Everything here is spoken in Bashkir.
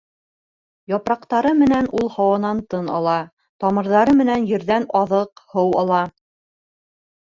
Япраҡтары менән ул һауанан тын ала, тамырҙары менән ерҙән аҙыҡ, һыу ала.